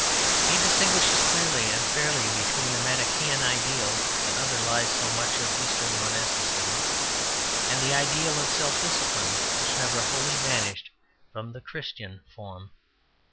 He distinguishes clearly and fairly between the Manichæan ideal that underlies so much of Eastern Monasticism and the ideal of self discipline which never wholly vanished from the Christian form.